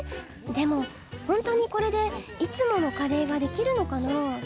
でもほんとにこれでいつものカレーができるのかなぁ？